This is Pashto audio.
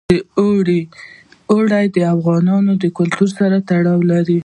اوړي د افغان کلتور سره تړاو لري.